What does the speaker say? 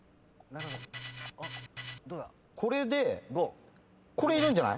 これでこれいるんじゃない？